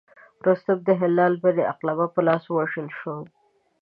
رستم د هلال بن علقمه په لاس ووژل شو.